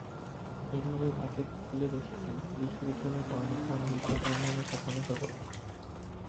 এভাবেই একেকজন খুলে বসেছেন বিশ্ববিদ্যালয়জীবনের পড়ালেখা, ভবিষ্যৎ ভাবনা নিয়ে স্বপ্ন দেখার গল্প।